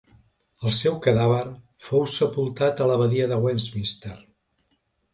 El seu cadàver fou sepultat a l'abadia de Westminster.